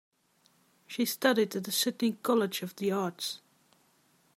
She studied at the Sydney College of the Arts.